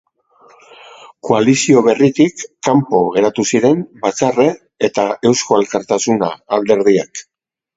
Koalizio berritik kanpo geratu ziren Batzarre eta Eusko Alkartasuna alderdiak.